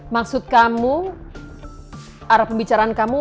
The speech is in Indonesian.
maksud kamu arah pembicaraan kamu